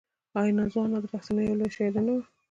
آیا نازو انا د پښتنو یوه لویه شاعره نه وه؟